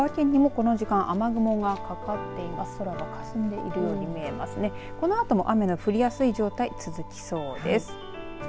このあとも雨の降りやすい状態が続きそうです。